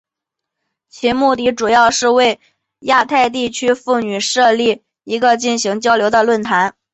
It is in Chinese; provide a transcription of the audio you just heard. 其目的主要是为亚太地区妇女设立一个进行交流的论坛。